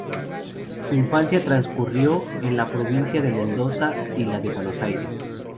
Su infancia transcurrió en la provincia de Mendoza y la de Buenos Aires.